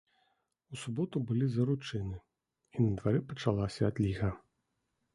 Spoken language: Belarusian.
У суботу былі заручыны, і на дварэ пачалася адліга.